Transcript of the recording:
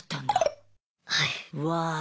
はい。